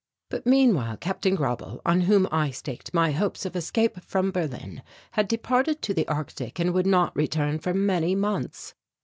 But meanwhile Capt. Grauble, on whom I staked my hopes of escape from Berlin, had departed to the Arctic and would not return for many months.